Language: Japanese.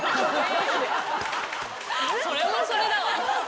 それもそれだわ。